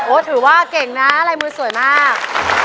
ถือว่าเก่งนะลายมือสวยมาก